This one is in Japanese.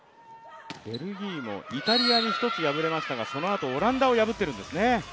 ベルギーもイタリアに一つ敗れましたがそのあとオランダを破ってるんですね。